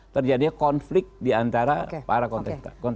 terjadinya konflik diantara para kontestan